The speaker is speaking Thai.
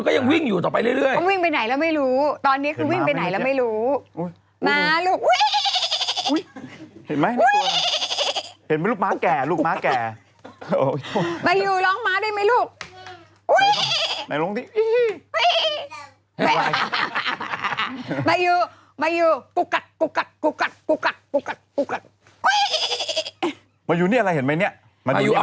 ม้าวิ่งลูกมันวิ่งอยู่ในลูกนั่นน่ะเห็นไหมล่ะ